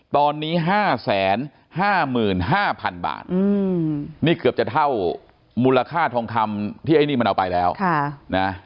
ตอนนี้๕๕๕๐๐๐บาทนี่เกือบจะเท่ามูลค่าทองคำที่ไอ้นี่มันเอาไปแล้วนะ